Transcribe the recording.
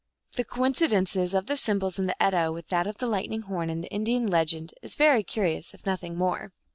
The coincidence of the symbols in the Edda with that of the lightning horn in the Indian legend is very curious, if nothing more.